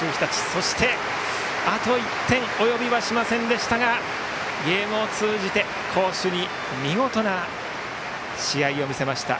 そしてあと１点及びはしませんでしたがゲームを通じて攻守に見事な試合を見せました